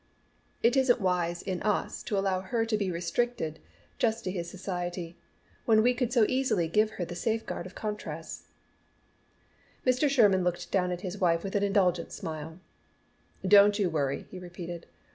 It isn't wise in us to allow her to be restricted just to his society, when we could so easily give her the safe guard of contrasts." Mr. Sherman looked down at his wife with an indulgent smile. "Don't you worry," he repeated.